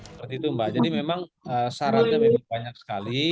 seperti itu mbak jadi memang syaratnya memang banyak sekali